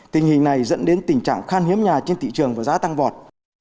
tình hình này dẫn đến tình trạng khan hiếm nhà trên thị trường và giá tăng vọt